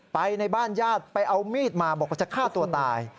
ไปในบ้านญาติไปเอามีดมาบอกว่าจะฆ่าตัวตาย